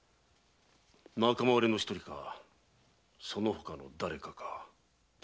仲間割れの一人かそのほかの誰かか。